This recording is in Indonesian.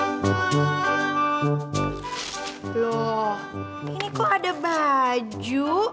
loh ini kok ada baju